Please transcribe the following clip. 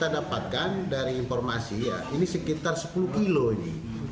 dapatkan dari informasi ini sekitar sepuluh kg ini